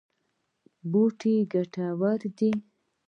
بوټي ګټور دي.